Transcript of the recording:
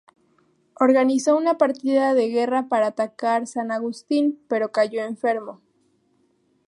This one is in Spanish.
Organizó una partida de guerra para atacar San Agustín, pero cayó enfermo.